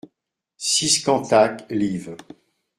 six Cantac, liv.